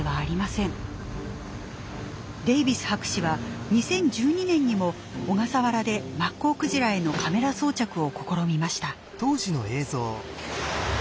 デイビス博士は２０１２年にも小笠原でマッコウクジラへのカメラ装着を試みました。